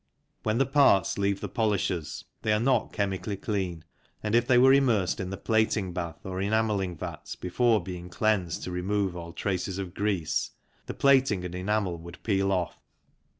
When the parts leave the polishers they are not chemically clean, and if they were immersed in the plating bath or enamelling vats before being cleansed to remove all trace of grease, the plating and enamel would peel off.